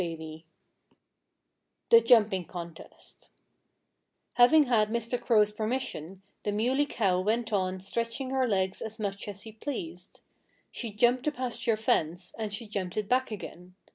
XIX THE JUMPING CONTEST Having had Mr. Crow's permission, the Muley Cow went on stretching her legs as much as she pleased. She jumped the pasture fence; and she jumped it back again.